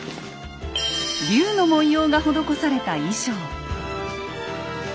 竜の文様が施された衣装。